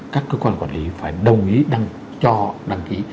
các cơ quan quản lý phải đồng ý đăng cho đăng ký